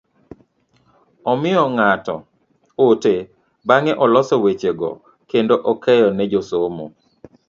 Omiyo ng'ato ote bang'e oloso weche go kendo okeyo ne josomo.